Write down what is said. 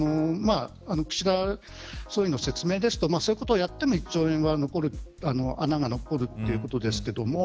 岸田総理の説明ですとそういうことをやっても１兆円はは穴が残るということですけれども。